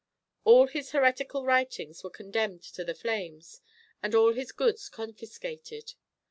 All his heretical writings were condemned to the flames, and all his goods confiscated.